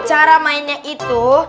cara mainnya itu